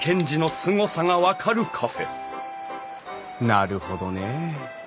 なるほどねえ。